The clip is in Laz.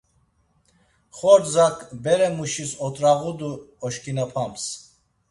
Xordzak beremuşis ot̆rağodu oşǩinapams.